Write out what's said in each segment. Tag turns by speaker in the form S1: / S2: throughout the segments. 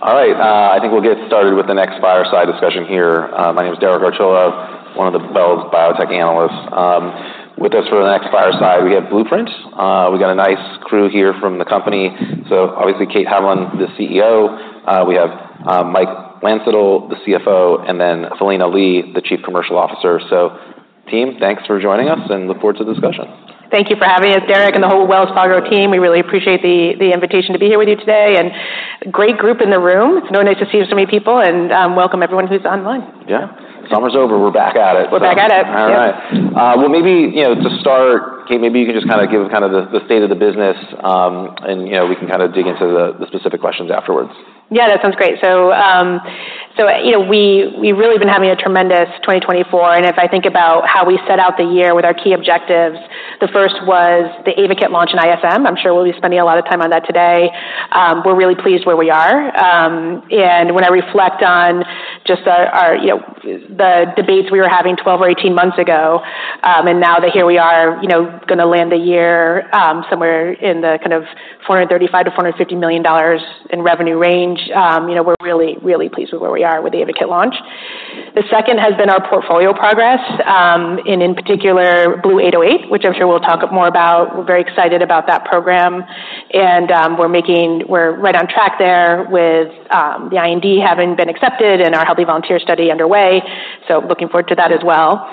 S1: All right, I think we'll get started with the next fireside discussion here. My name is Derek Archila, one of the Wells Biotech Analysts. With us for the next fireside, we have Blueprint. We've got a nice crew here from the company. So obviously, Kate Haviland, the CEO. We have Mike Landsittel, the CFO, and then Philina Lee, the Chief Commercial Officer. So team, thanks for joining us, and look forward to the discussion.
S2: Thank you for having us, Derek, and the whole Wells Fargo team. We really appreciate the invitation to be here with you today, and great group in the room. It's so nice to see so many people, and welcome everyone who's online.
S1: Yeah. Summer's over. We're back at it.
S2: We're back at it.
S1: All right. Well, maybe, you know, to start, Kate, maybe you can just kind of give kind of the state of the business, and, you know, we can kind of dig into the specific questions afterwards.
S2: Yeah, that sounds great. So, you know, we, we've really been having a tremendous 2024, and if I think about how we set out the year with our key objectives, the first was the Ayvakit launch in ISM. I'm sure we'll be spending a lot of time on that today. We're really pleased where we are. And when I reflect on just our, you know, the debates we were having 12 or 18 months ago, and now that here we are, you know, gonna land the year, somewhere in the kind of $435 million-450 million in revenue range, you know, we're really, really pleased with where we are with the Ayvakit launch. The second has been our portfolio progress, and in particular, BLU-808, which I'm sure we'll talk more about. We're very excited about that program, and, we're right on track there with, the IND having been accepted and our healthy volunteer study underway, so looking forward to that as well.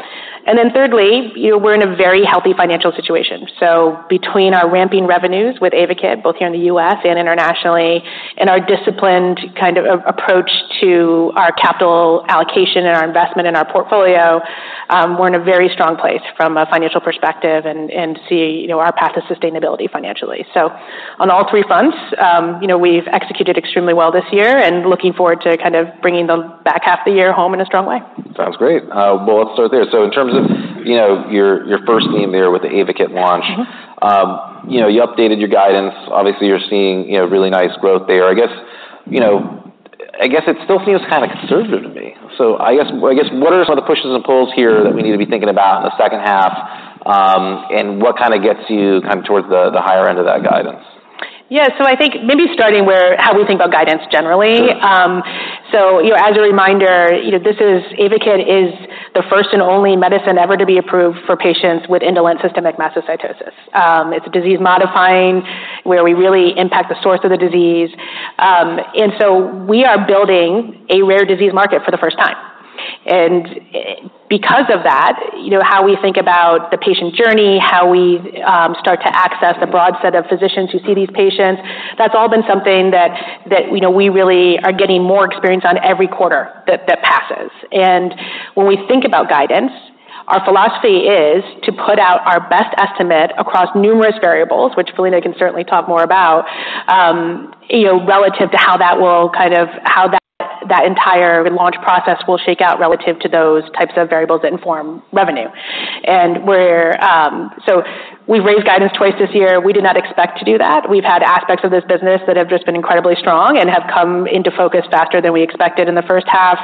S2: And then thirdly, you know, we're in a very healthy financial situation. So between our ramping revenues with Ayvakit, both here in the US and internationally, and our disciplined kind of approach to our capital allocation and our investment in our portfolio, we're in a very strong place from a financial perspective and, and see, you know, our path to sustainability financially. So on all three fronts, you know, we've executed extremely well this year and looking forward to kind of bringing the back half of the year home in a strong way.
S1: Sounds great. Let's start there. So in terms of, you know, your first theme there with the Ayvakit launch-
S2: Mm-hmm.
S1: You know, you updated your guidance. Obviously, you're seeing, you know, really nice growth there. I guess, you know, I guess it still seems kind of conservative to me. So I guess, what are some of the pushes and pulls here that we need to be thinking about in the second half, and what kind of gets you kind of towards the higher end of that guidance?
S2: Yeah, so I think maybe starting where, how we think about guidance generally. So, you know, as a reminder, you know, this is, Ayvakit is the first and only medicine ever to be approved for patients with indolent systemic mastocytosis. It's a disease-modifying, where we really impact the source of the disease. And so we are building a rare disease market for the first time, and because of that, you know, how we think about the patient journey, how we start to access the broad set of physicians who see these patients, that's all been something that, you know, we really are getting more experience on every quarter that passes. When we think about guidance, our philosophy is to put out our best estimate across numerous variables, which Philina can certainly talk more about, you know, relative to how that will kind of, how that entire launch process will shake out relative to those types of variables that inform revenue. We're. We've raised guidance twice this year. We did not expect to do that. We've had aspects of this business that have just been incredibly strong and have come into focus faster than we expected in the first half.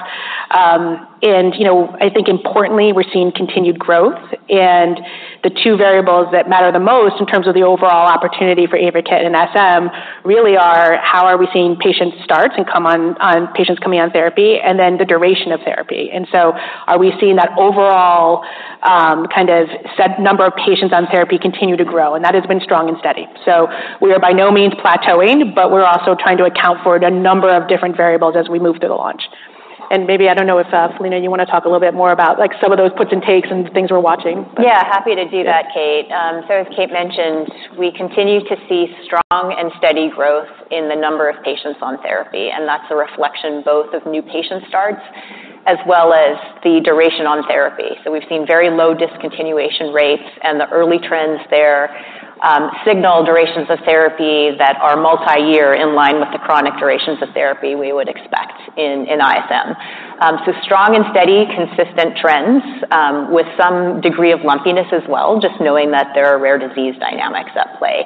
S2: You know, I think importantly, we're seeing continued growth, and the two variables that matter the most in terms of the overall opportunity for Ayvakit and SM really are: how are we seeing patients start and come on, patients coming on therapy, and then the duration of therapy. And so are we seeing that overall, kind of set number of patients on therapy continue to grow? And that has been strong and steady. So we are by no means plateauing, but we're also trying to account for the number of different variables as we move through the launch. And maybe, I don't know if, Philina, you want to talk a little bit more about, like, some of those puts and takes and things we're watching?
S3: Yeah, happy to do that, Kate. So as Kate mentioned, we continue to see strong and steady growth in the number of patients on therapy, and that's a reflection both of new patient starts as well as the duration on therapy. So we've seen very low discontinuation rates, and the early trends there signal durations of therapy that are multiyear, in line with the chronic durations of therapy we would expect in ISM. So strong and steady, consistent trends with some degree of lumpiness as well, just knowing that there are rare disease dynamics at play.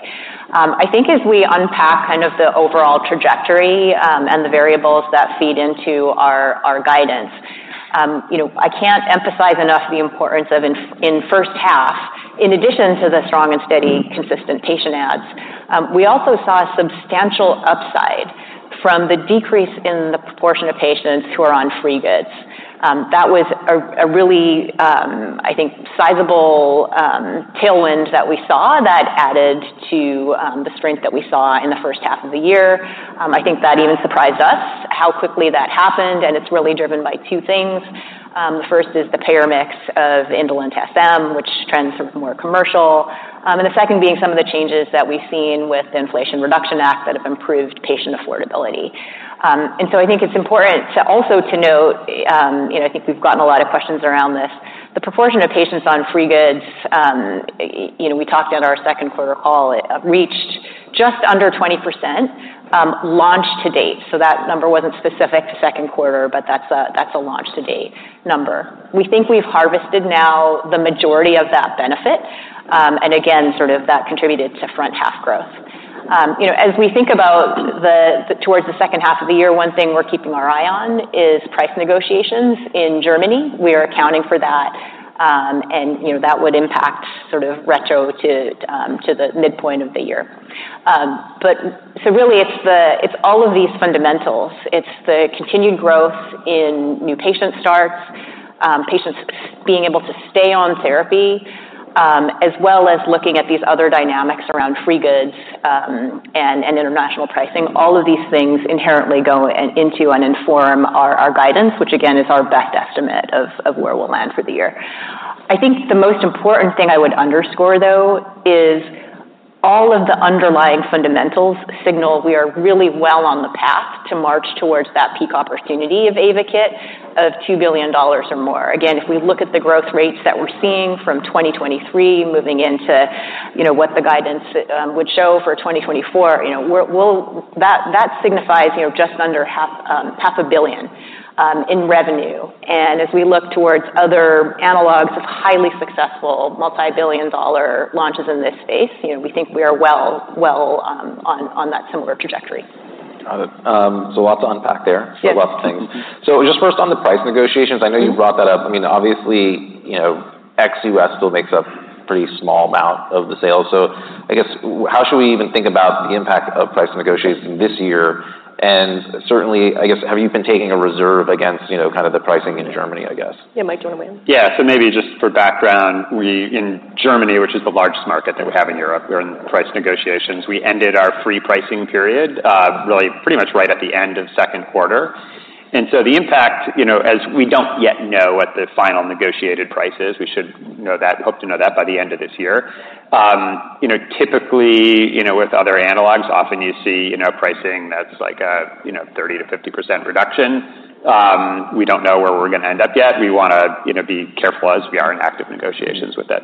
S3: I think as we unpack kind of the overall trajectory, and the variables that feed into our guidance, you know, I can't emphasize enough the importance of in first half, in addition to the strong and steady, consistent patient adds, we also saw substantial upside from the decrease in the proportion of patients who are on free goods. That was a really, I think, sizable tailwind that we saw that added to the strength that we saw in the first half of the year. I think that even surprised us, how quickly that happened, and it's really driven by two things. The first is the payer mix of indolent SM, which trends more commercial, and the second being some of the changes that we've seen with the Inflation Reduction Act that have improved patient affordability. And so I think it's important to also note, you know, I think we've gotten a lot of questions around this. The proportion of patients on free goods, you know, we talked at our second quarter call, it reached just under 20%, launch-to-date. So that number wasn't specific to second quarter, but that's a, that's a launch-to-date number. We think we've harvested now the majority of that benefit, and again, sort of that contributed to front-half growth. You know, as we think about towards the second half of the year, one thing we're keeping our eye on is price negotiations in Germany. We are accounting for that, and, you know, that would impact sort of retroactive to the midpoint of the year. But so really it's the, it's all of these fundamentals. It's the continued growth in new patient starts, patients being able to stay on therapy, as well as looking at these other dynamics around free goods, and international pricing. All of these things inherently go into and inform our guidance, which, again, is our best estimate of where we'll land for the year. I think the most important thing I would underscore, though, is all of the underlying fundamentals signal we are really well on the path to march towards that peak opportunity of Ayvakit of $2 billion or more. Again, if we look at the growth rates that we're seeing from 2023 moving into, you know, what the guidance would show for 2024, you know, that signifies just under $500 million in revenue. As we look towards other analogs of highly successful multi-billion dollar launches in this space, you know, we think we are well on that similar trajectory.
S1: Got it. So a lot to unpack there.
S3: Yes.
S1: So lots of things. Just first on the price negotiations, I know you brought that up. I mean, obviously, you know, ex-US still makes up a pretty small amount of the sales. So I guess, how should we even think about the impact of price negotiations this year? And certainly, I guess, have you been taking a reserve against, you know, kind of the pricing in Germany, I guess?
S2: Yeah, Mike, do you want to weigh in?
S4: Yeah. So maybe just for background, we, in Germany, which is the largest market that we have in Europe, we're in price negotiations. We ended our free pricing period really pretty much right at the end of second quarter. And so the impact, you know, as we don't yet know what the final negotiated price is, we should know that, hope to know that by the end of this year. You know, typically, you know, with other analogs, often you see, you know, pricing that's like a 30%-50% reduction. We don't know where we're going to end up yet. We wanna, you know, be careful as we are in active negotiations with that.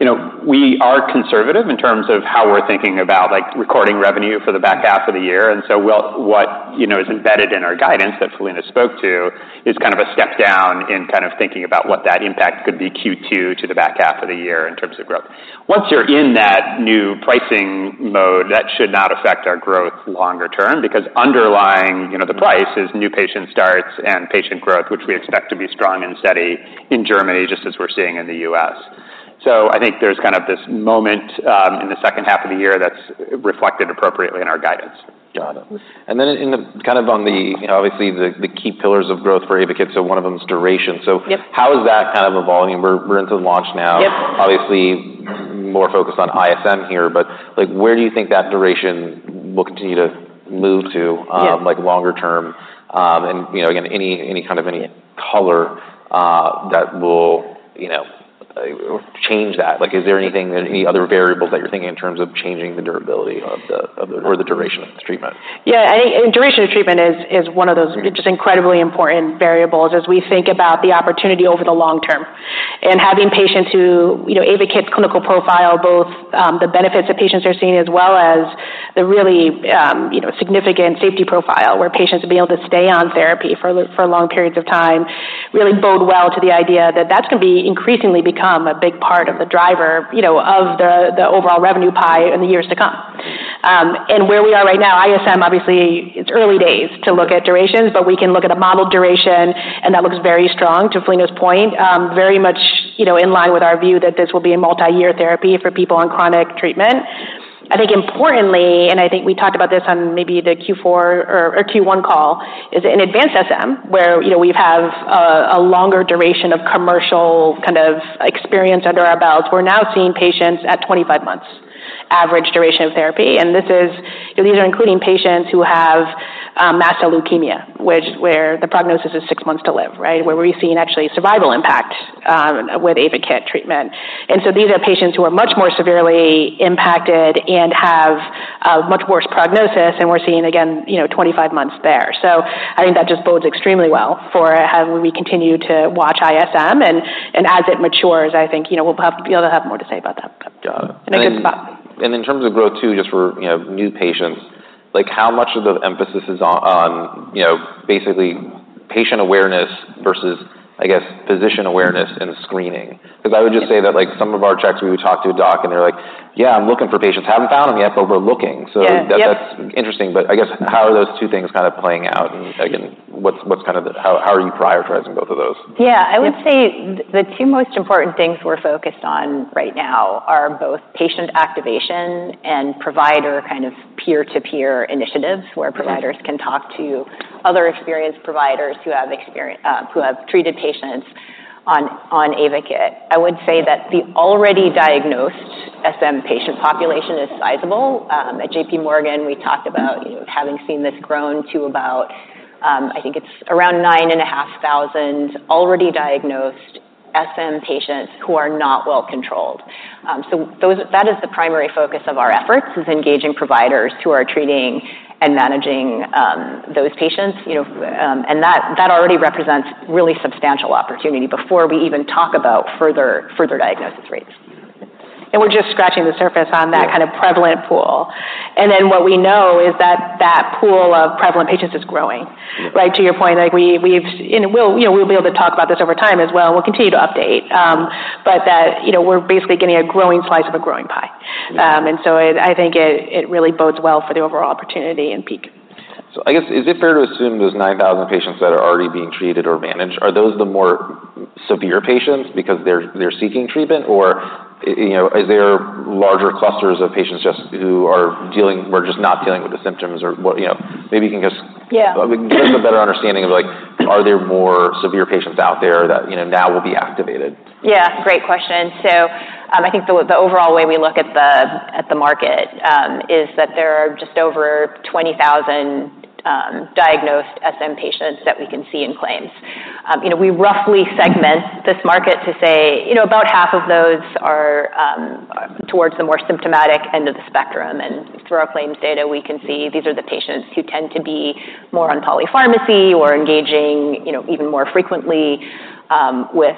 S4: You know, we are conservative in terms of how we're thinking about, like, recording revenue for the back half of the year. And so we'll... What, you know, is embedded in our guidance that Philina spoke to is kind of a step down in kind of thinking about what that impact could be Q2 to the back half of the year in terms of growth. Once you're in that new pricing mode, that should not affect our growth longer term, because underlying, you know, the price is new patient starts and patient growth, which we expect to be strong and steady in Germany, just as we're seeing in the U.S. So I think there's kind of this moment in the second half of the year that's reflected appropriately in our guidance.
S1: Got it. And then in the key pillars of growth for Ayvakit, so one of them is duration.
S4: Yep.
S1: So how is that kind of evolving? We're, we're into the launch now.
S4: Yep.
S1: Obviously, more focused on ISM here, but, like, where do you think that duration will continue to move to?
S4: Yeah...
S1: like, longer term? And, you know, again, any kind of color that will, you know, change that? Like, is there anything, any other variables that you're thinking in terms of changing the durability of the or the duration of the treatment?
S2: Yeah, I think and duration of treatment is one of those just incredibly important variables as we think about the opportunity over the long term. And having patients who, you know, Ayvakit's clinical profile, both, the benefits that patients are seeing, as well as the really, you know, significant safety profile, where patients will be able to stay on therapy for long periods of time, really bode well to the idea that that's going to be increasingly become a big part of the driver, you know, of the overall revenue pie in the years to come. And where we are right now, ISM, obviously, it's early days to look at durations, but we can look at a modeled duration, and that looks very strong, to Philina's point. Very much, you know, in line with our view that this will be a multi-year therapy for people on chronic treatment. I think importantly, and I think we talked about this on maybe the Q4 or Q1 call, is in advanced SM, where, you know, we've had a longer duration of commercial kind of experience under our belts. We're now seeing patients at 25 months average duration of therapy, and this is. These are including patients who have mast cell leukemia, where the prognosis is 6 months to live, right? Where we're seeing actually survival impact with Ayvakit treatment. And so these are patients who are much more severely impacted and have a much worse prognosis, and we're seeing, again, you know, 25 months there. So I think that just bodes extremely well for as we continue to watch ISM, and as it matures, I think, you know, we'll have to be able to have more to say about that.
S1: Got it.
S2: In a good spot.
S1: In terms of growth, too, just for, you know, new patients, like, how much of the emphasis is on, you know, basically patient awareness versus, I guess, physician awareness and screening? Because I would just say that, like, some of our checks, we would talk to a doc, and they're like: "Yeah, I'm looking for patients. Haven't found them yet, but we're looking.
S2: Yeah. Yep.
S1: So that's interesting, but I guess, how are those two things kind of playing out? And again, what's kind of the... How are you prioritizing both of those?
S3: Yeah. I would say the two most important things we're focused on right now are both patient activation and provider kind of peer-to-peer initiatives, where providers can talk to other experienced providers who have treated patients on Ayvakit. I would say that the already diagnosed SM patient population is sizable. At JP Morgan, we talked about, you know, having seen this grown to about, I think it's around 9,500 already diagnosed SM patients who are not well controlled. So that is the primary focus of our efforts, is engaging providers who are treating and managing those patients, you know, and that already represents really substantial opportunity before we even talk about further diagnosis rates.
S2: And we're just scratching the surface on that-
S1: Yeah...
S2: kind of prevalent pool, and then what we know is that that pool of prevalent patients is growing.
S1: Yep.
S2: Right? To your point, like we've, and we'll, you know, we'll be able to talk about this over time as well, and we'll continue to update. But that, you know, we're basically getting a growing slice of a growing pie. And so I think it really bodes well for the overall opportunity and peak....
S1: So, I guess, is it fair to assume those nine thousand patients that are already being treated or managed are those the more severe patients because they're seeking treatment? Or, you know, are there larger clusters of patients who were just not dealing with the symptoms or what, you know, maybe you can just-
S3: Yeah.
S1: Give us a better understanding of, like, are there more severe patients out there that, you know, now will be activated?
S3: Yeah, great question. So, I think the overall way we look at the market is that there are just over 20,000 diagnosed SM patients that we can see in claims. You know, we roughly segment this market to say, you know, about half of those are towards the more symptomatic end of the spectrum. And through our claims data, we can see these are the patients who tend to be more on polypharmacy or engaging, you know, even more frequently with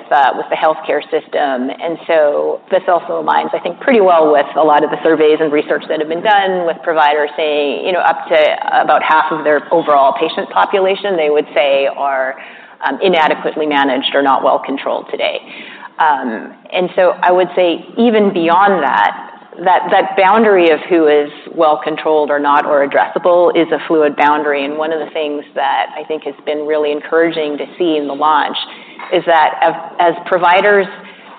S3: the healthcare system. And so this also aligns, I think, pretty well with a lot of the surveys and research that have been done, with providers saying, you know, up to about half of their overall patient population, they would say, are inadequately managed or not well controlled today. And so I would say even beyond that boundary of who is well controlled or not, or addressable is a fluid boundary. And one of the things that I think has been really encouraging to see in the launch is that as providers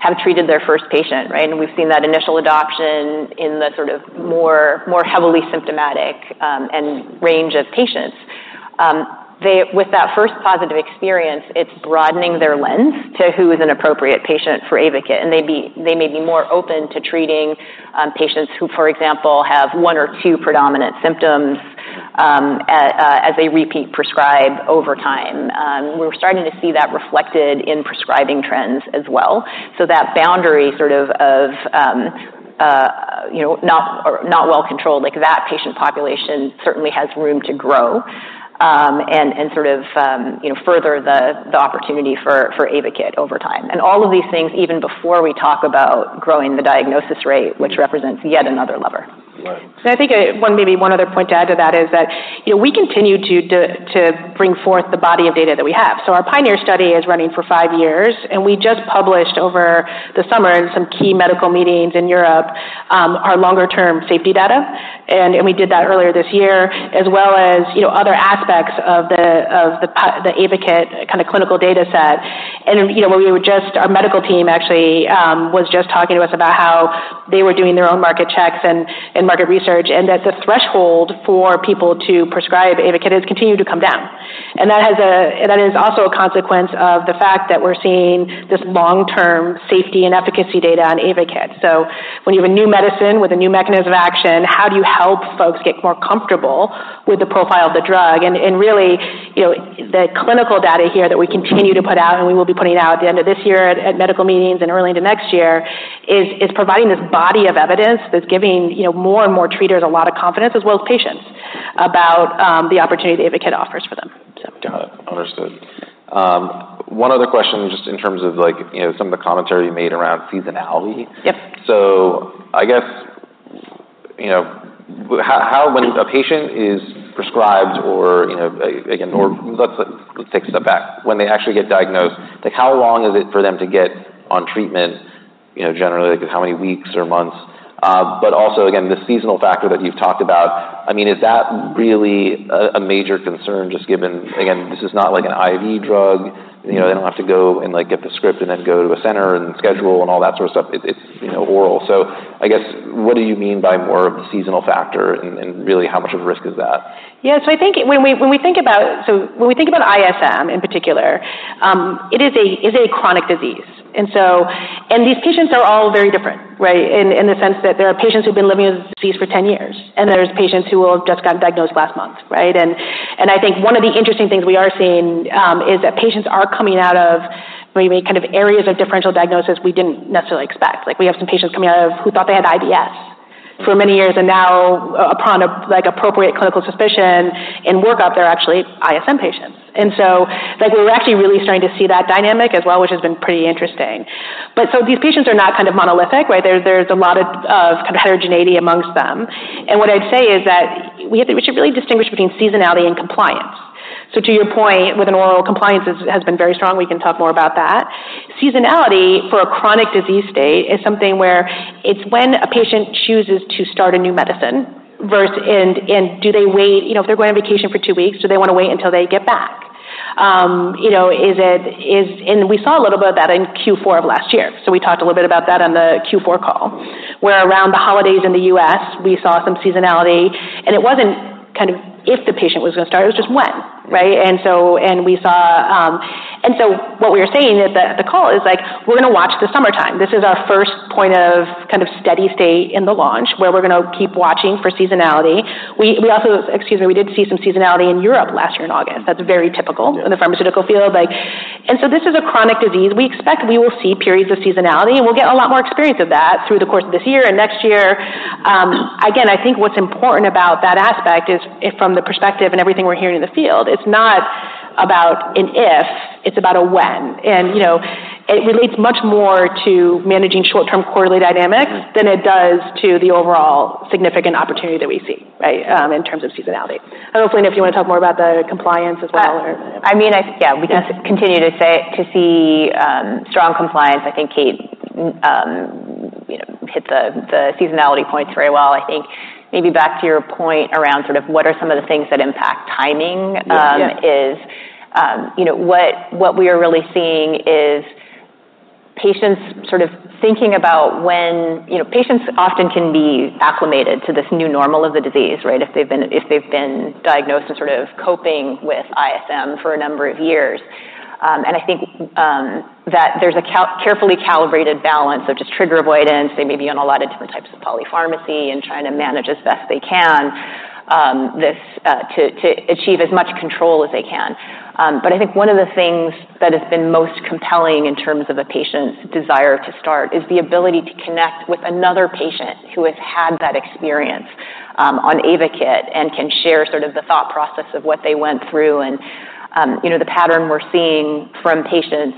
S3: have treated their first patient, right? And we've seen that initial adoption in the sort of more heavily symptomatic and range of patients. With that first positive experience, it's broadening their lens to who is an appropriate patient for Ayvakit, and they may be more open to treating patients who, for example, have one or two predominant symptoms as they repeat prescribe over time. We're starting to see that reflected in prescribing trends as well. So that boundary sort of, you know, not, not well controlled, like, that patient population certainly has room to grow, and, and sort of, you know, further the, the opportunity for, for Ayvakit over time. And all of these things, even before we talk about growing the diagnosis rate, which represents yet another lever.
S1: Right.
S2: And I think, one, maybe one other point to add to that is that, you know, we continue to bring forth the body of data that we have. So our Pioneer study is running for five years, and we just published over the summer in some key medical meetings in Europe, our longer-term safety data. And we did that earlier this year, as well as, you know, other aspects of the Ayvakit kind of clinical data set. And, you know, we were just. Our medical team actually was just talking to us about how they were doing their own market checks and market research, and that the threshold for people to prescribe Ayvakit has continued to come down. That is also a consequence of the fact that we're seeing this long-term safety and efficacy data on Ayvakit. So when you have a new medicine with a new mechanism of action, how do you help folks get more comfortable with the profile of the drug? And really, you know, the clinical data here that we continue to put out, and we will be putting it out at the end of this year at medical meetings and early into next year, is providing this body of evidence that's giving, you know, more and more treaters a lot of confidence, as well as patients, about the opportunity Ayvakit offers for them. So.
S1: Got it. Understood. One other question, just in terms of like, you know, some of the commentary you made around seasonality.
S2: Yep.
S1: So I guess, you know, how when a patient is prescribed or, you know, again, or let's take a step back. When they actually get diagnosed, like, how long is it for them to get on treatment, you know, generally? Like, how many weeks or months? But also, again, the seasonal factor that you've talked about, I mean, is that really a major concern, just given, again, this is not like an IV drug, you know, they don't have to go and, like, get the script and then go to a center and schedule and all that sort of stuff. It's, you know, oral. So I guess, what do you mean by more of the seasonal factor? And really, how much of a risk is that?
S2: Yeah, so I think when we think about ISM in particular, it is a chronic disease. And so these patients are all very different, right? In the sense that there are patients who've been living with the disease for ten years, and there's patients who have just gotten diagnosed last month, right? And I think one of the interesting things we are seeing is that patients are coming out of maybe kind of areas of differential diagnosis we didn't necessarily expect. Like, we have some patients coming out of who thought they had IBS for many years, and now upon appropriate clinical suspicion and workup, they're actually ISM patients. And so, like, we're actually really starting to see that dynamic as well, which has been pretty interesting. But so these patients are not kind of monolithic, right? There's a lot of kind of heterogeneity among them. And what I'd say is that we should really distinguish between seasonality and compliance. So to your point, with an oral compliance, has been very strong. We can talk more about that. Seasonality for a chronic disease state is something where it's when a patient chooses to start a new medicine versus... And do they wait? You know, if they're going on vacation for two weeks, do they want to wait until they get back? You know, is it and we saw a little bit of that in Q4 of last year. So we talked a little bit about that on the Q4 call, where around the holidays in the U.S., we saw some seasonality, and it wasn't kind of if the patient was going to start, it was just when, right? And so, and we saw. And so what we were saying is that the call is like, we're going to watch the summertime. This is our first point of kind of steady state in the launch, where we're going to keep watching for seasonality. We also, excuse me, we did see some seasonality in Europe last year in August. That's very typical.
S1: Yeah.
S2: In the pharmaceutical field, like. And so this is a chronic disease. We expect we will see periods of seasonality, and we'll get a lot more experience of that through the course of this year and next year. Again, I think what's important about that aspect is from the perspective and everything we're hearing in the field, it's not about an if, it's about a when. And, you know, it relates much more to managing short-term quarterly dynamics than it does to the overall significant opportunity that we see, right? In terms of seasonality. And hopefully, if you want to talk more about the compliance as well or-
S3: I mean, yeah, we can continue to see strong compliance. I think Kate,...
S2: you know, hit the seasonality points very well. I think maybe back to your point around sort of what are some of the things that impact timing-
S1: Yes, yeah.
S2: You know, what we are really seeing is patients sort of thinking about when, you know, patients often can be acclimated to this new normal of the disease, right? If they've been diagnosed and sort of coping with ISM for a number of years. And I think that there's a carefully calibrated balance of just trigger avoidance. They may be on a lot of different types of polypharmacy and trying to manage as best they can, this to achieve as much control as they can. But I think one of the things that has been most compelling in terms of a patient's desire to start is the ability to connect with another patient who has had that experience on Ayvakit and can share sort of the thought process of what they went through. You know, the pattern we're seeing from patients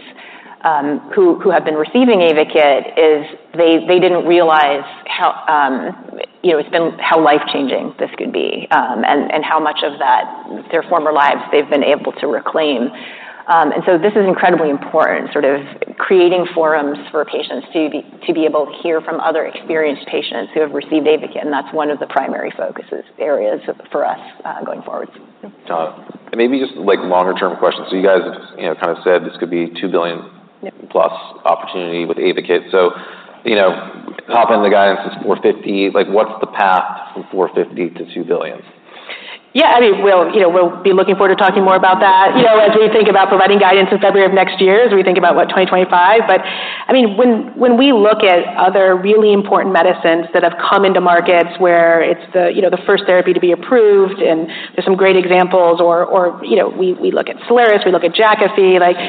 S2: who have been receiving Ayvakit is they didn't realize how you know it's been how life-changing this could be and how much of their former lives they've been able to reclaim. This is incredibly important, creating forums for patients to be able to hear from other experienced patients who have received Ayvakit, and that's one of the primary focus areas for us going forward.
S1: Got it. Maybe just, like, longer-term questions. So you guys, you know, kind of said this could be two billion-
S2: Yeah
S1: plus opportunity with Ayvakit. So, you know, top end the guidance is $450 million. Like, what's the path from $450 million to $2 billion?
S2: Yeah, I mean, we'll, you know, we'll be looking forward to talking more about that. You know, as we think about providing guidance in February of next year, as we think about what 2025. But, I mean, when we look at other really important medicines that have come into markets where it's the, you know, the first therapy to be approved, and there's some great examples or, you know, we look at Soliris, we look at Jakafi. Like,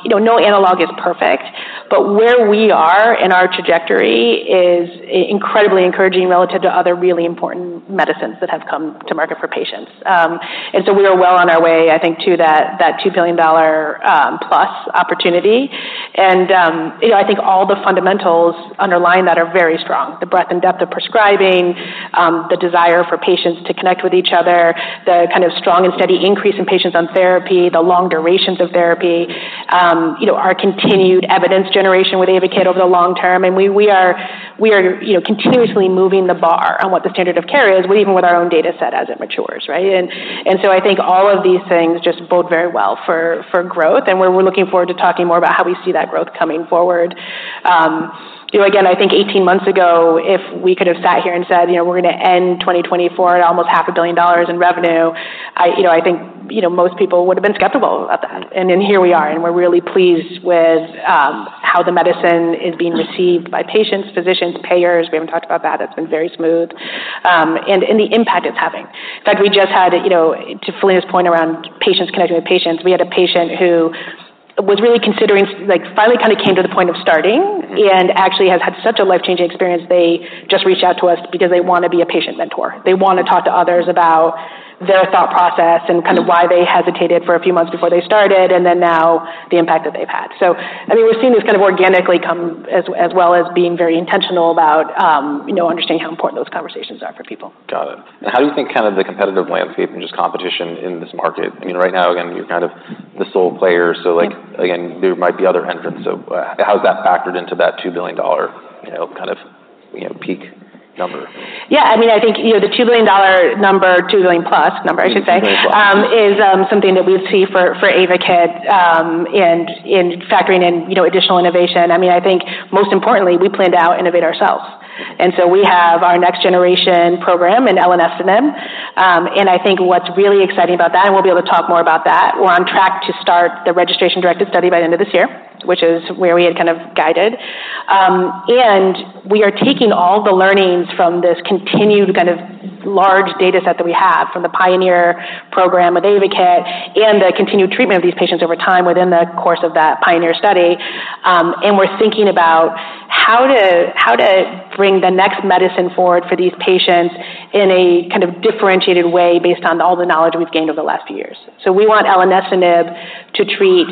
S2: you know, no analog is perfect, but where we are in our trajectory is incredibly encouraging relative to other really important medicines that have come to market for patients. And so we are well on our way, I think, to that $2 billion plus opportunity. And, you know, I think all the fundamentals underlying that are very strong. The breadth and depth of prescribing, the desire for patients to connect with each other, the kind of strong and steady increase in patients on therapy, the long durations of therapy, you know, our continued evidence generation with Ayvakit over the long term. And we are continuously moving the bar on what the standard of care is, even with our own data set as it matures, right? And so I think all of these things just bode very well for growth, and we're looking forward to talking more about how we see that growth coming forward. You know, again, I think eighteen months ago, if we could have sat here and said, "You know, we're gonna end twenty twenty-four at almost $500 million in revenue," I, you know, I think, you know, most people would have been skeptical of that. And then here we are, and we're really pleased with how the medicine is being received by patients, physicians, payers. We haven't talked about that. It's been very smooth, and the impact it's having. In fact, we just had, you know, to Philina's point around patients connecting with patients, we had a patient who was really considering... Like, finally kind of came to the point of starting and actually has had such a life-changing experience. They just reached out to us because they want to be a patient mentor. They want to talk to others about their thought process-
S1: Mm-hmm
S2: And kind of why they hesitated for a few months before they started, and then now the impact that they've had. So, I mean, we've seen this kind of organically come as well as being very intentional about, you know, understanding how important those conversations are for people.
S1: Got it. And how do you think kind of the competitive landscape and just competition in this market? I mean, right now, again, you're kind of the sole player, so like-
S2: Mm
S1: Again, there might be other entrants. So how has that factored into that $2 billion, you know, kind of, you know, peak number?
S2: Yeah, I mean, I think, you know, the $2 billion number, $2 billion plus number, I should say-
S1: $2 billion plus...
S2: is something that we see for Ayvakit in factoring in, you know, additional innovation. I mean, I think most importantly, we plan to innovate ourselves, and so we have our next generation program in ISM. And I think what's really exciting about that, and we'll be able to talk more about that, we're on track to start the registration-directed study by the end of this year, which is where we had kind of guided. And we are taking all the learnings from this continued kind of large data set that we have from the Pioneer program with Ayvakit and the continued treatment of these patients over time within the course of that Pioneer study. and we're thinking about how to, how to bring the next medicine forward for these patients in a kind of differentiated way, based on all the knowledge we've gained over the last few years. So we want Elenestinib to treat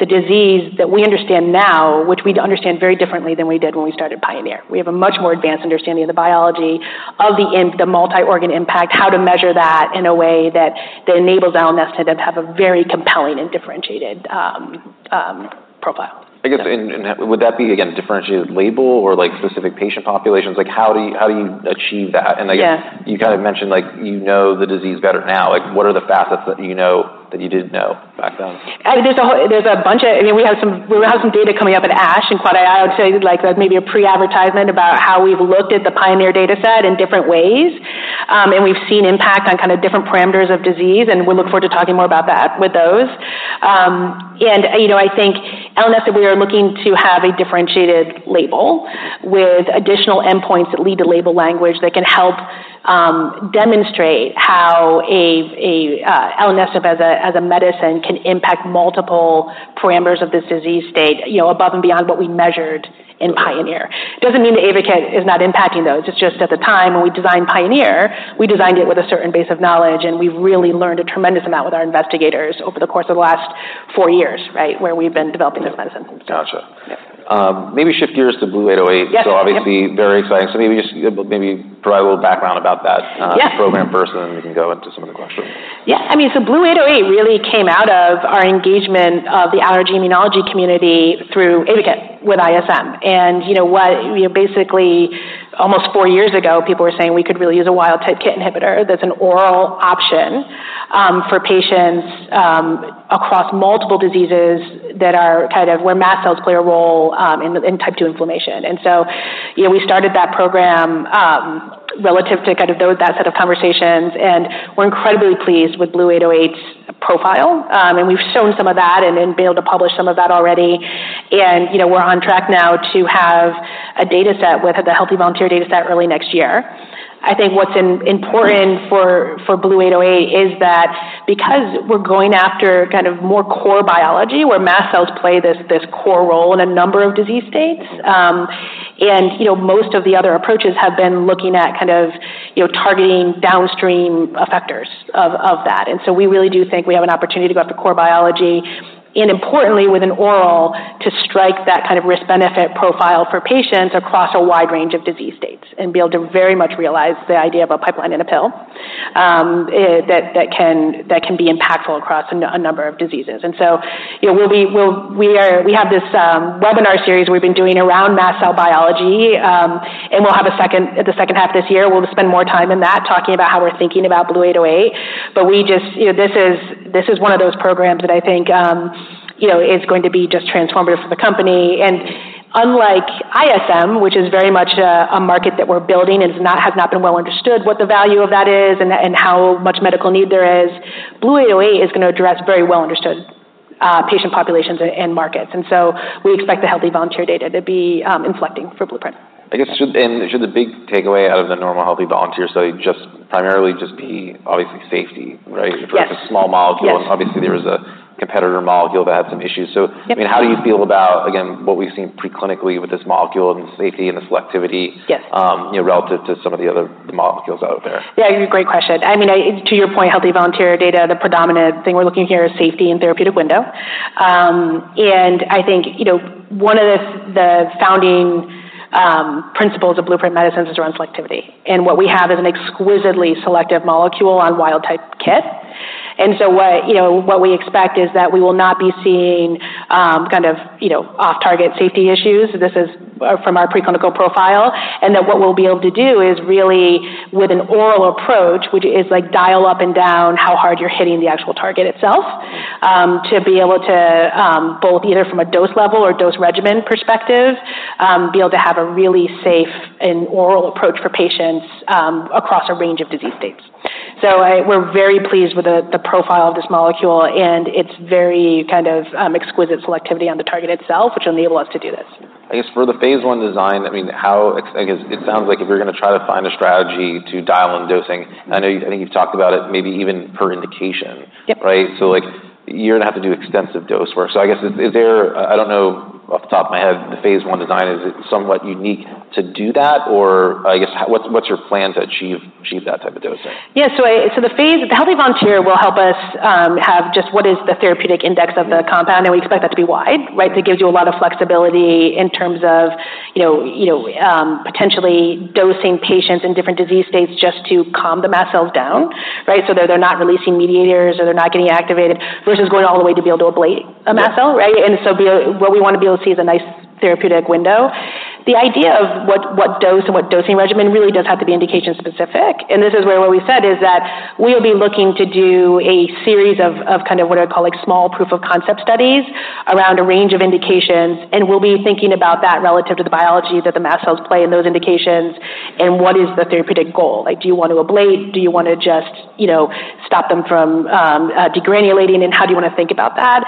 S2: the disease that we understand now, which we understand very differently than we did when we started Pioneer. We have a much more advanced understanding of the biology of the multi-organ impact, how to measure that in a way that enables Elenesenib to have a very compelling and differentiated profile.
S1: I guess, and would that be, again, differentiated label or like specific patient populations? Like, how do you achieve that?
S2: Yeah.
S1: Like, you kind of mentioned, like, you know the disease better now. Like, what are the facets that you know, that you didn't know back then?
S2: There's a bunch of data coming up at ASH and Quad AI. I mean, we have some data coming up at ASH and Quad AI. I would say like maybe a pre-advertisement about how we've looked at the Pioneer data set in different ways. And we've seen impact on kind of different parameters of disease, and we look forward to talking more about that with those. You know, I think IMS, we are looking to have a differentiated label with additional endpoints that lead to label language that can help demonstrate how a IMS as a medicine can impact multiple parameters of this disease state, you know, above and beyond what we measured in Pioneer. It doesn't mean that Ayvakit is not impacting those. It's just at the time when we designed Pioneer, we designed it with a certain base of knowledge, and we've really learned a tremendous amount with our investigators over the course of the last four years, right, where we've been developing this medicine.
S1: Gotcha. Maybe shift gears to BLU-808.
S2: Yes.
S1: So obviously very exciting. So maybe just, maybe provide a little background about that.
S2: Yes.
S1: program first, and then we can go into some of the questions.
S2: Yeah. I mean, so BLU-808 really came out of our engagement of the allergy immunology community through Ayvakit with ISM. And you know what? Basically, almost four years ago, people were saying we could really use a wild-type KIT inhibitor that's an oral option, for patients, across multiple diseases that are kind of where mast cells play a role, in type 2 inflammation. And so, you know, we started that program, relative to kind of those, that set of conversations, and we're incredibly pleased with BLU-808's profile. And we've shown some of that and then be able to publish some of that already. And, you know, we're on track now to have a data set with a healthy volunteer data set early next year. I think what's important for BLU-808 is that because we're going after kind of more core biology, where mast cells play this core role in a number of disease states, and you know, most of the other approaches have been looking at kind of you know, targeting downstream effectors of that. And so we really do think we have an opportunity to go after core biology and importantly, with an oral, to strike that kind of risk-benefit profile for patients across a wide range of disease states, and be able to very much realize the idea of a pipeline in a pill, that can be impactful across a number of diseases. And so, you know, we'll be... We have this webinar series we've been doing around mast cell biology, and we'll have a second at the second half of this year. We'll spend more time in that, talking about how we're thinking about BLU-808. But we just, you know, this is one of those programs that I think, you know, is going to be just transformative for the company. And unlike ISM, which is very much a market that we're building and it has not been well understood, what the value of that is and how much medical need there is, BLU-808 is going to address very well understood patient populations and markets, and so we expect the healthy volunteer data to be inflecting for Blueprint.
S1: I guess, should the big takeaway out of the normal, healthy volunteer study just primarily just be obviously safety, right?
S2: Yes.
S1: For a small molecule-
S2: Yes.
S1: Obviously, there was a competitor molecule that had some issues.
S2: Yep.
S1: So, I mean, how do you feel about, again, what we've seen pre-clinically with this molecule and safety and the selectivity?
S2: Yes
S1: you know, relative to some of the other molecules out there?
S2: Yeah, great question. I mean, to your point, healthy volunteer data, the predominant thing we're looking here is safety and therapeutic window. And I think, you know, one of the founding principles of Blueprint Medicines is around selectivity, and what we have is an exquisitely selective molecule on wild-type kit. And so what, you know, what we expect is that we will not be seeing kind of, you know, off-target safety issues. This is from our preclinical profile, and that what we'll be able to do is really with an oral approach, which is like dial up and down, how hard you're hitting the actual target itself, to be able to both either from a dose level or dose regimen perspective, be able to have a really safe and oral approach for patients across a range of disease states. We're very pleased with the profile of this molecule, and it's very kind of exquisite selectivity on the target itself, which enable us to do this.
S1: I guess for the phase one design, I mean, I guess it sounds like if you're going to try to find a strategy to dial in dosing, I know. I think you've talked about it, maybe even per indication.
S2: Yep.
S1: Right? So, like, you're going to have to do extensive dose work. So I guess, is there... I don't know, off the top of my head, the phase one design, is it somewhat unique to do that? Or I guess, what's your plan to achieve that type of dosing?
S2: Yeah. So the healthy volunteer will help us have just what is the therapeutic index of the compound, and we expect that to be wide, right? That gives you a lot of flexibility in terms of, you know, potentially dosing patients in different disease states just to calm the mast cells down, right? So they're not releasing mediators or they're not getting activated versus going all the way to be able to ablate a mast cell, right?
S1: Yes.
S2: What we want to be able to see is a nice therapeutic window. The idea of what dose and what dosing regimen really does have to be indication-specific. This is where what we said is that we'll be looking to do a series of kind of what I call, like, small proof-of-concept studies around a range of indications, and we'll be thinking about that relative to the biology that the mast cells play in those indications, and what is the therapeutic goal? Like, do you want to ablate? Do you want to just, you know, stop them from degranulating, and how do you want to think about that?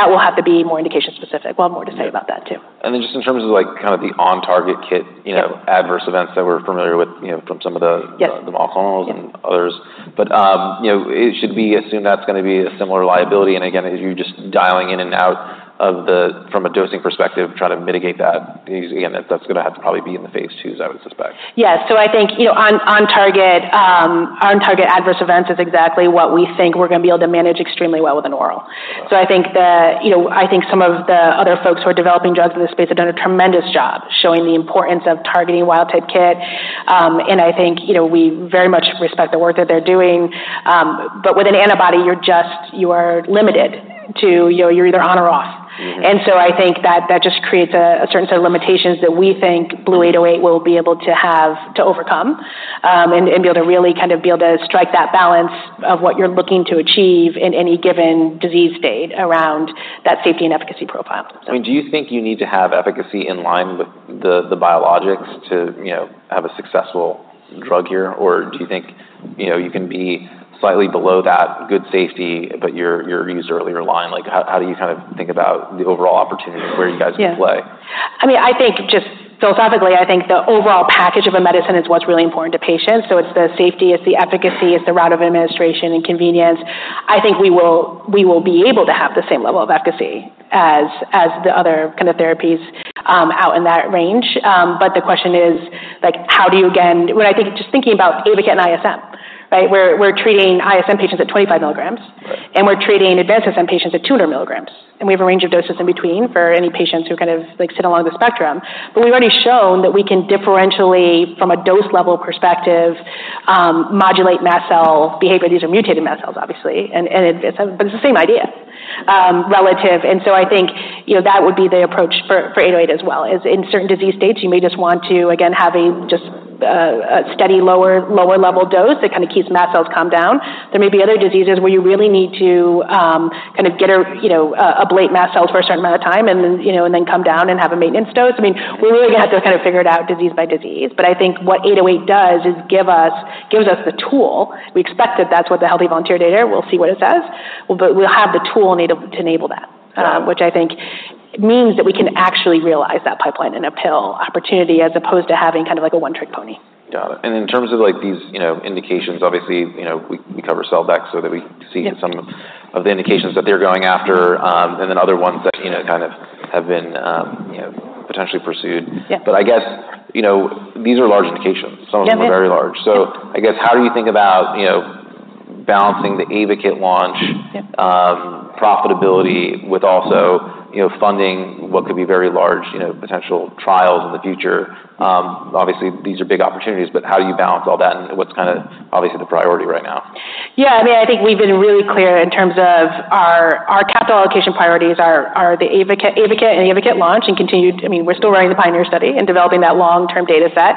S2: That will have to be more indication-specific. We'll have more to say about that, too.
S1: And then just in terms of like, kind of the on-target KIT-
S2: Yeah
S1: you know, adverse events that we're familiar with, you know, from some of the-
S2: Yes
S1: -the monoclones-
S2: Yes
S1: -and others. But, you know, it should be assumed that's going to be a similar liability. And again, as you're just dialing in and out of the... From a dosing perspective, trying to mitigate that, again, that's going to have to probably be in the phase 2s, I would suspect.
S2: Yes. So I think, you know, on target, on-target adverse events is exactly what we think we're going to be able to manage extremely well with an oral.
S1: Okay.
S2: You know, I think some of the other folks who are developing drugs in this space have done a tremendous job showing the importance of targeting wild-type KIT. And I think, you know, we very much respect the work that they're doing. But with an antibody, you're just, you are limited to, you know, you're either on or off.
S1: Mm-hmm.
S2: And so I think that that just creates a certain set of limitations that we think BLU-808 will be able to have to overcome, and be able to really kind of be able to strike that balance of what you're looking to achieve in any given disease state around that safety and efficacy profile.
S1: I mean, do you think you need to have efficacy in line with the biologics to, you know, have a successful drug here? Or do you think, you know, you can be slightly below that good safety, but your earlier line, like, how do you kind of think about the overall opportunity where you guys play?
S2: Yeah. I mean, I think just philosophically, I think the overall package of a medicine is what's really important to patients. So it's the safety, it's the efficacy, it's the route of administration and convenience. I think we will, we will be able to have the same level of efficacy as, as the other kind of therapies out in that range. But the question is, like, how do you, again, what I think just thinking about Ayvakit and ISM-... Right? We're, we're treating ISM patients at 25 milligrams, and we're treating advanced SM patients at 200 milligrams. And we have a range of doses in between for any patients who kind of, like, sit along the spectrum. But we've already shown that we can differentially, from a dose level perspective, modulate mast cell behavior. These are mutated mast cells, obviously, but it's the same idea, relative, and so I think, you know, that would be the approach for 808 as well, is in certain disease states, you may just want to, again, have just a steady, lower level dose that kind of keeps mast cells calmed down. There may be other diseases where you really need to, kind of get a, you know, ablate mast cells for a certain amount of time and then, you know, and then come down and have a maintenance dose. I mean, we're really going to have to kind of figure it out disease by disease, but I think what 808 does is gives us the tool. We expect that that's what the healthy volunteer data are. We'll see what it says, but we'll have the tool need to enable that, which I think means that we can actually realize that pipeline and uphill opportunity, as opposed to having kind of like a one-trick pony.
S1: Got it. And in terms of, like, these, you know, indications, obviously, you know, we cover Celldex so that we see-
S2: Yep
S1: some of the indications that they're going after, and then other ones that, you know, kind of have been, you know, potentially pursued.
S2: Yeah.
S1: But I guess, you know, these are large indications.
S2: Yeah, they-
S1: Some of them are very large. So I guess, how do you think about, you know, balancing the Ayvakit launch?
S2: Yep...
S1: profitability with also, you know, funding what could be very large, you know, potential trials in the future? Obviously, these are big opportunities, but how do you balance all that, and what's kind of obviously the priority right now?
S2: Yeah, I mean, I think we've been really clear in terms of our... Our capital allocation priorities are the Ayvakit, Ayvakit and the Ayvakit launch and continued. I mean, we're still running the Pioneer study and developing that long-term dataset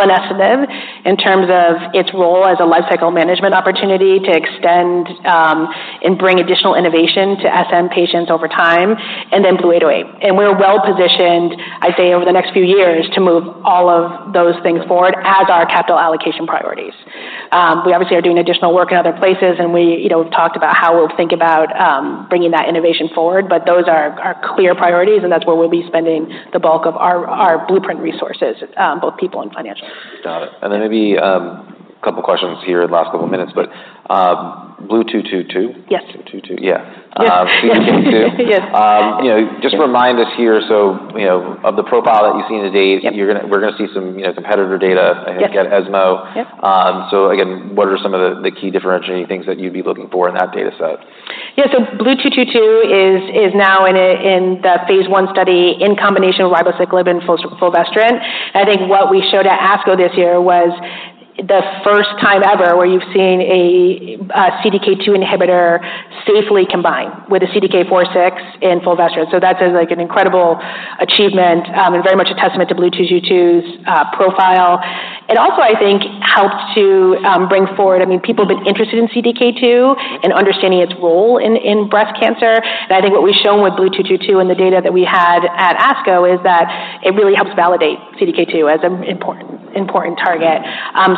S2: in SM in terms of its role as a lifecycle management opportunity to extend and bring additional innovation to SM patients over time, and then BLU-808. And we're well-positioned, I'd say, over the next few years to move all of those things forward as our capital allocation priorities. We obviously are doing additional work in other places, and we, you know, talked about how we'll think about bringing that innovation forward, but those are our clear priorities, and that's where we'll be spending the bulk of our, our blueprint resources both people and financially.
S1: Got it, and then maybe a couple of questions here in the last couple of minutes, but BLU-222?
S2: Yes.
S1: Two two two. Yeah.
S2: Yes.
S1: CDK two.
S2: Yes.
S1: You know, just remind us here, so, you know, of the profile that you've seen to date-
S2: Yep
S1: We're gonna see some, you know, competitor data.
S2: Yep
S1: -at ESMO.
S2: Yep.
S1: So again, what are some of the key differentiating things that you'd be looking for in that data set?
S2: Yeah, so BLU-222 is now in the phase 1 study in combination with ribociclib and fulvestrant. I think what we showed at ASCO this year was the first time ever where you've seen a CDK2 inhibitor safely combined with a CDK4/6 in fulvestrant. So that is, like, an incredible achievement, and very much a testament to BLU-222's profile. It also, I think, helped to bring forward... I mean, people have been interested in CDK2 and understanding its role in breast cancer. And I think what we've shown with BLU-222 and the data that we had at ASCO is that it really helps validate CDK2 as an important target.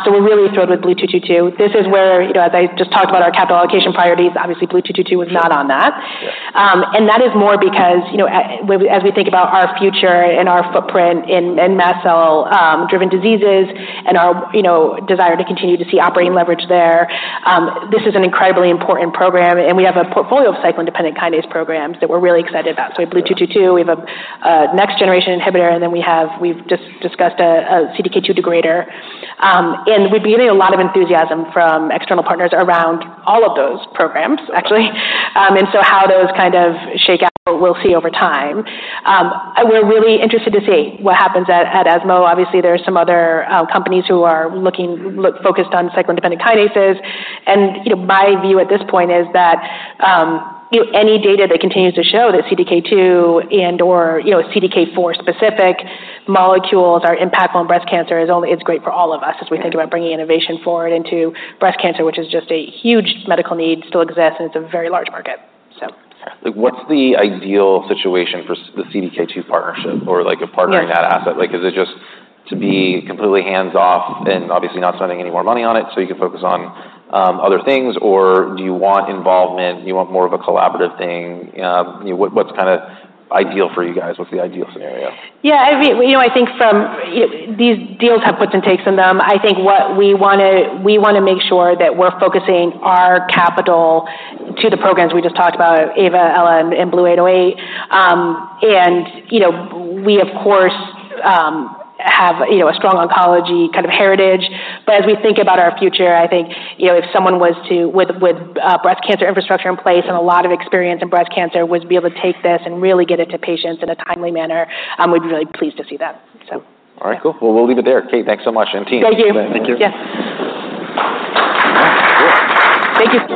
S2: So we're really thrilled with BLU-222. This is where, you know, as I just talked about our capital allocation priorities, obviously BLU-222 was not on that.
S1: Yeah.
S2: And that is more because, you know, as we think about our future and our footprint in mast cell driven diseases and our, you know, desire to continue to see operating leverage there, this is an incredibly important program, and we have a portfolio of cyclin-dependent kinase programs that we're really excited about.
S1: Yeah.
S2: So we have BLU-222, we have a next-generation inhibitor, and then we have. We've just discussed a CDK2 degrader. And we've been getting a lot of enthusiasm from external partners around all of those programs, actually. And so how those kind of shake out, we'll see over time. We're really interested to see what happens at ESMO. Obviously, there are some other companies who are looking focused on cyclin-dependent kinases. And, you know, my view at this point is that any data that continues to show that CDK2 and/or, you know, CDK4 specific molecules are impactful in breast cancer is only. It's great for all of us.
S1: Yeah
S2: As we think about bringing innovation forward into breast cancer, which is just a huge medical need, still exists, and it's a very large market, so.
S1: What's the ideal situation for the CDK two partnership or, like, a partner-
S2: Yeah
S1: -in that asset? Like, is it just to be completely hands-off and obviously not spending any more money on it, so you can focus on other things, or do you want involvement? Do you want more of a collaborative thing? You know, what, what's kind of ideal for you guys? What's the ideal scenario?
S2: Yeah, I mean, you know, I think these deals have puts and takes in them. I think what we want to make sure that we're focusing our capital to the programs we just talked about, Ava, Ella, and BLU-808. And, you know, we, of course, have, you know, a strong oncology kind of heritage. But as we think about our future, I think, you know, if someone was to with breast cancer infrastructure in place and a lot of experience in breast cancer, would be able to take this and really get it to patients in a timely manner, we'd be really pleased to see that. So-
S1: All right, cool. We'll leave it there. Kate, thanks so much, and team.
S2: Thank you.
S1: Thank you.
S2: Yeah. Thank you.